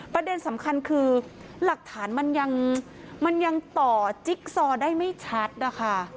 ประเด็นสำคัญคือหลักฐานมันยังต่อจิ๊กซอได้ไม่ชัดนะคะ